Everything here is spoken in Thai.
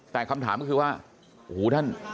แต่คำถามก็คือว่า